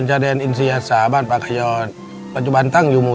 ในแคมเปญพิเศษเกมต่อชีวิตโรงเรียนของหนู